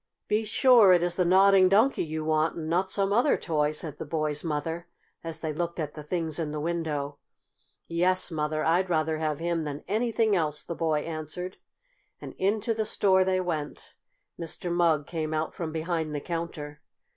"Be sure it is the Nodding Donkey you want, and not some other toy," said the boy's mother, as they looked at the things in the window. "Yes, Mother, I'd rather have him than anything else," the boy answered, and into the store they went. Mr. Mugg came out from behind the counter.